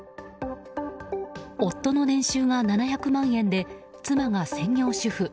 夫の年収が７００万円で妻が専業主婦。